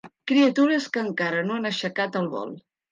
Criatures que encara no han aixecat el vol.